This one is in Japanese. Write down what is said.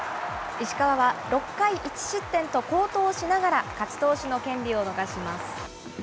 石川は６回１失点と好投しながら、勝ち投手の権利を逃します。